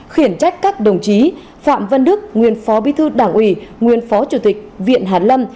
khiển trách các đồng chí phạm văn đức nguyên phó bí thư đảng ủy nguyên phó chủ tịch viện hàn lâm